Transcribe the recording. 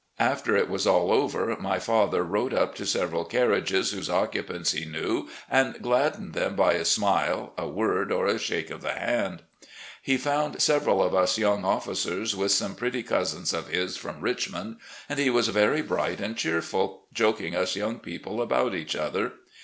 After it was all over, my father rode up to several carriages whose occupants he knew and gladdened them by a smile, a word, or a shake of the hand. He foimd several of us yotmg officers with some pretty cousins of his from Richmond, and he was very bright and cheerful, joking us yotmg people about each other.